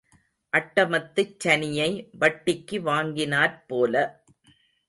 அட்டமத்துச் சனியை வட்டிக்கு வாங்கினாற்போல.